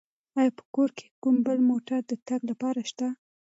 آیا په کور کې کوم بل موټر د تګ لپاره شته؟